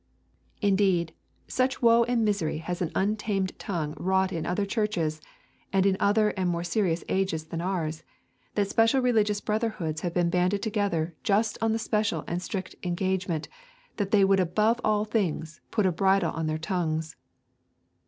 Indeed, such woe and misery has an untamed tongue wrought in other churches and in other and more serious ages than ours, that special religious brotherhoods have been banded together just on the special and strict engagement that they would above all things put a bridle on their tongues.